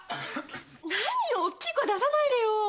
何よ大きい声出さないでよ。